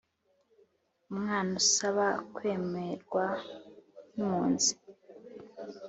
Umwana usaba kwemerwa nk’impunzi